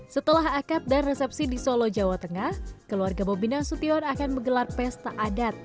setelah akad dan resepsi di solo jawa tengah keluarga bobi nasution akan menggelar pesta adat